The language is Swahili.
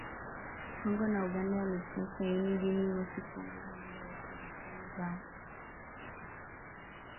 Kongo na Uganda yalitia saini Juni mosi kuongeza muda wa operesheni zao